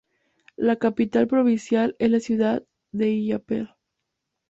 La capital provincial es la ciudad de Illapel.